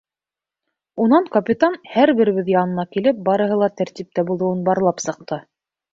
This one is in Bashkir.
Унан капитан, һәр беребеҙ янына килеп, барыһы ла тәртиптә булыуын барлап сыҡты.